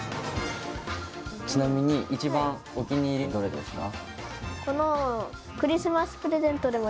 ちなみに、一番お気に入りどれですか？